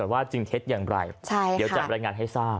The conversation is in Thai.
ว่าจริงเท็จอย่างไรเดี๋ยวจะรายงานให้ทราบ